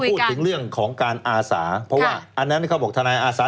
พูดถึงเรื่องของการอาสาเพราะว่าอันนั้นเขาบอกทนายอาสา